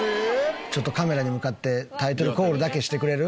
ちょっとカメラに向かってタイトルコールだけしてくれる？